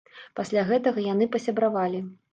Пасля гэтага яны пасябравалі.